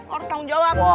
orang tanggung jawab